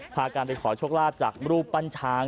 พากันไปขอโชคลาภจากรูปปั้นช้าง